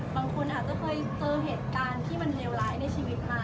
บางคนอาจจะเคยเจอเหตุการณ์ที่มันเลวร้ายในชีวิตมา